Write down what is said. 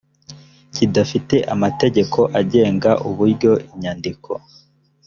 kidafite amategeko agenga uburyo inyandiko